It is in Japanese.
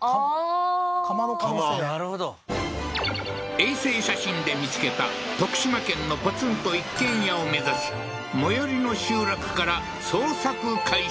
ああー窯の可能性なるほど衛星写真で見つけた徳島県のポツンと一軒家を目指し最寄りの集落から捜索開始